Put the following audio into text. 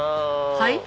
はい？